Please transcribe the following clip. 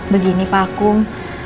begini pak kum